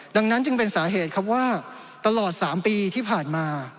ดังนั้นจึงเป็นสาเหตุครับว่าตลอด๓ปีที่ผ่านมา